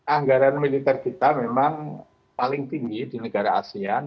anggaran militer kita memang paling tinggi di negara asean